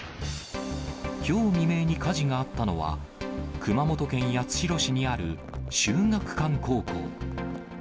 きょう未明に火事があったのは、熊本県八代市にある秀岳館高校。